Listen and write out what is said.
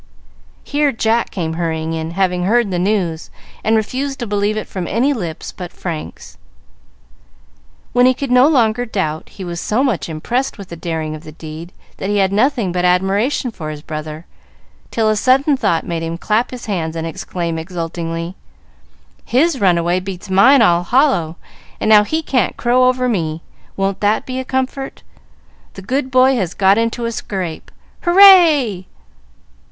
Here Jack came hurrying in, having heard the news, and refused to believe it from any lips but Frank's. When he could no longer doubt, he was so much impressed with the daring of the deed that he had nothing but admiration for his brother, till a sudden thought made him clap his hands and exclaim exultingly, "His runaway beats mine all hollow, and now he can't crow over me! Won't that be a comfort? The good boy has got into a scrape. Hooray!"